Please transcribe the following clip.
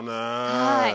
はい。